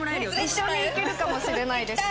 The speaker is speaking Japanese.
一緒に行けるかもしれないですね。